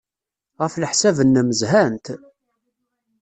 Ɣef leḥsab-nnem, zhant?